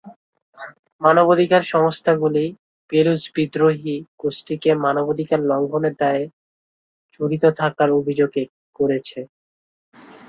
মানবাধিকার সংস্থাগুলি বেলুচ বিদ্রোহী গোষ্ঠীকে মানবাধিকার লঙ্ঘনের দায়ে জড়িত থাকার অভিযোগ করেছে।